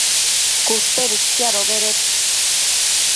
cute tsiadobeded